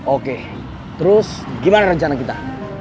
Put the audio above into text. oke terus gimana rencana kita